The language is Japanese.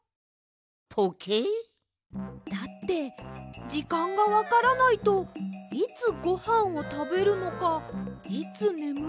とけい？だってじかんがわからないといつごはんをたべるのかいつねむるのかがわかりません！